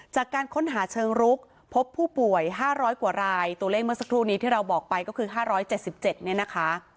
จากการค้นหาเชิงรุกพบผู้ป่วย๕๐๐กว่ารายตัวเลขเมื่อสักครู่นี้ที่เราบอกไปก็คือ๕๗๗เนี่ยนะคะ